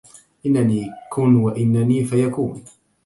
إنني كن وإنني فيكون